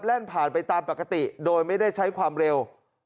ผ่านไปตามปกติโดยไม่ได้ใช้ความเร็ว